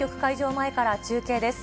前から中継です。